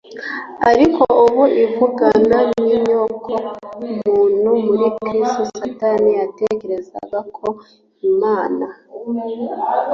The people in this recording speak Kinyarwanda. ariko ubu ivugana n'inyoko muntu muri Kristo. Satani yatekerezaga ko Imana